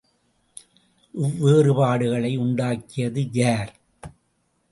இவ்வேறுபாடுகளை உண்டாக்கியது யார்?